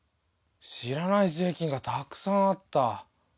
知らない税金がたくさんあった。